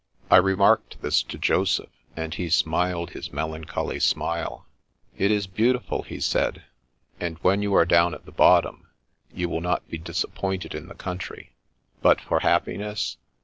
I remarked this to Joseph, and he smiled his melancholy smile. " It is beautiful," he said, " and when you are down at the bottom, you will not be disappointed in the country. But for happiness?